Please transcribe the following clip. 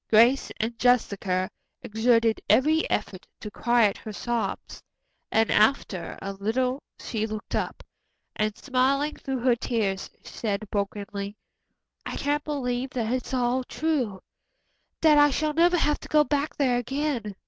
Grace and Jessica exerted every effort to quiet her sobs, and after a little she looked up, and, smiling through her tears, said brokenly: "I can't believe that it's all true that I shall never have to go back there again.